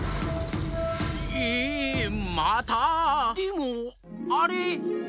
ええまた⁉でもあれ。